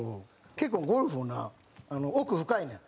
結構ゴルフもな奥深いねん。